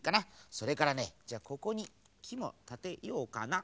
それからねじゃあここにきもたてようかな。